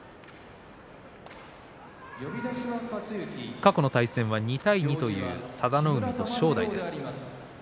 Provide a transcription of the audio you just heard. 過去の対戦は２対２という佐田の海と正代です。